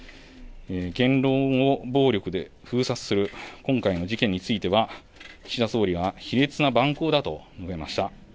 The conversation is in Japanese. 言論を暴力で封殺する今回の事件については、岸田総理は卑劣な蛮行だと述べました。